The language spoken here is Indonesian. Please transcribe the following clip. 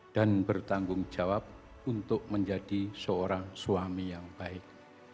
dan bertanggung jawab untuk menjadi seorang suami yang baik